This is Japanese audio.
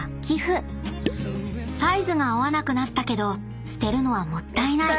［サイズが合わなくなったけど捨てるのはもったいない］